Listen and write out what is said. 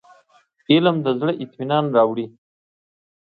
علم د زړه اطمينان راوړي.